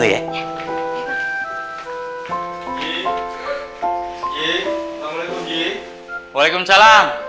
pak saya dengar